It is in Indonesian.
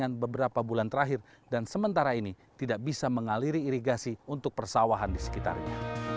waduk yang sudah berusia beberapa bulan terakhir dan sementara ini tidak bisa mengaliri irigasi untuk persawahan di sekitarnya